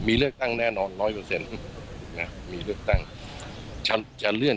มีเลือกตั้งแน่นอนร้อยเปอร์เซ็นต์นะมีเลือกตั้งฉันจะเลื่อน